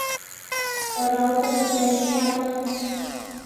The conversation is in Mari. Оралтыже пеш чапле.